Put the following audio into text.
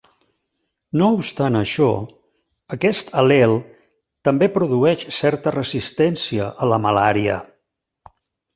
No obstant això, aquest al·lel també produeix certa resistència a la malària.